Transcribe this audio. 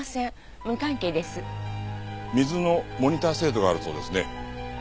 水のモニター制度があるそうですね。